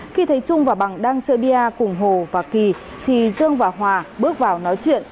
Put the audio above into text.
khi thấy trung và bằng đang chơi bia cùng hồ và kỳ thì dương và hòa bước vào nói chuyện